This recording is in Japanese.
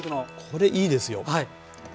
これいいですよ。